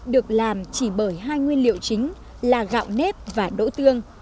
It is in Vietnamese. được làm chỉ bởi hai nguyên liệu chính là gạo nếp và đỗ tương